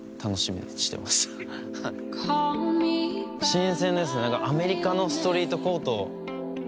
新鮮ですねアメリカのストリートコート。